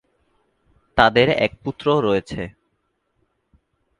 তাদের এক পুত্র রয়েছে।